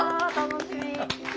楽しみ。